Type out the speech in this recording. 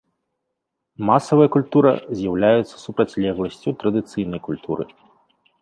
Масавая культура з'яўляецца супрацьлегласцю традыцыйнай культуры.